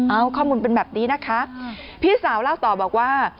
เอาข้อมูลเป็นแบบนี้นะคะพี่สาวเล่าต่อบอกว่า